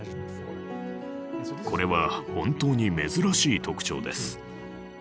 これは本当に珍しい特徴です。